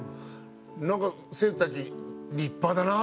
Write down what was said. なんか生徒たち立派だなと思って。